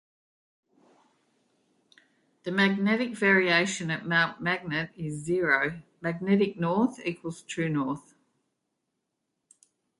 The magnetic variation at Mount Magnet is zero: magnetic north equals true north.